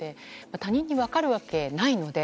他人に分かるわけないので。